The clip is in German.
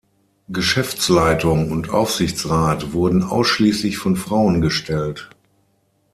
Geschäftsleitung und Aufsichtsrat wurden ausschließlich von Frauen gestellt.